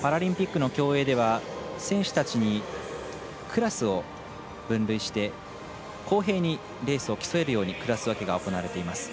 パラリンピックの競泳では選手たちにクラスを分類して公平にレースを競えるようにクラス分けが行われています。